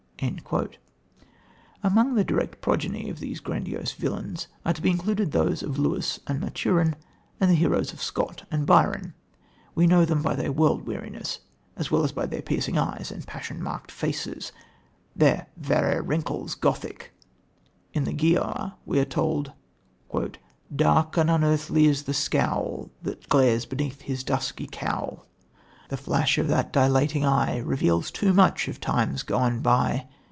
Among the direct progeny of these grandiose villains are to be included those of Lewis and Maturin, and the heroes of Scott and Byron. We know them by their world weariness, as well as by their piercing eyes and passion marked faces, their "verra wrinkles Gothic." In The Giaour we are told: "Dark and unearthly is the scowl That glares beneath his dusky cowl: "The flash of that dilating eye Reveals too much of times gone by.